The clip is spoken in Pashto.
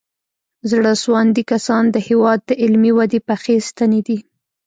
زړه سواندي کسان د هېواد د علمي ودې پخې ستنې دي.